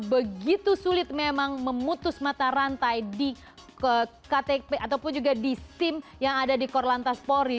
begitu sulit memang memutus mata rantai di ktp ataupun juga di sim yang ada di korlantas polri